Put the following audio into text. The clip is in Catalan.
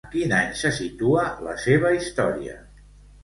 En quin any se situa la seva història?